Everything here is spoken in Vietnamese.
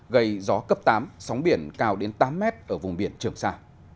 gây gió cấp tám sóng biển cao đến tám mét ở vùng biển trường sa